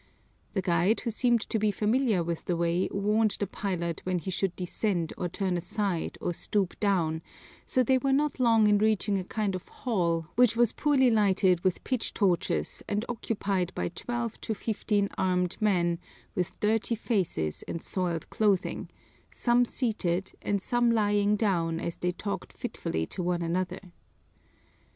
The guide, who seemed to be familiar with the way, warned the pilot when he should descend or turn aside or stoop down, so they were not long in reaching a kind of hall which was poorly lighted by pitch torches and occupied by twelve to fifteen armed men with dirty faces and soiled clothing, some seated and some lying down as they talked fitfully to one another.